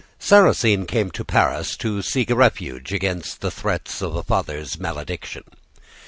"Sarrasine came to Paris to seek a refuge against the threats of a father's malediction.